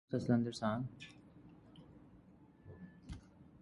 Young Japanese people were indoctrinated from an earliest age with these ideals.